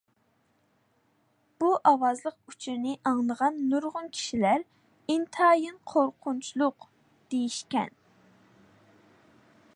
بۇ ئاۋازلىق ئۇچۇرنى ئاڭلىغان نۇرغۇن كىشىلەر «ئىنتايىن قورقۇنچلۇق» دېيىشكەن.